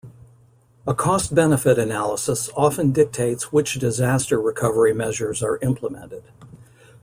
A cost-benefit analysis often dictates which disaster recovery measures are implemented.